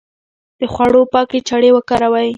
د خوړو پاکې چړې وکاروئ.